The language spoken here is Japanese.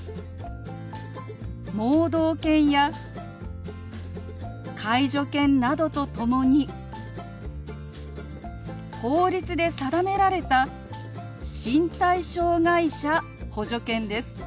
盲導犬や介助犬などと共に法律で定められた身体障害者補助犬です。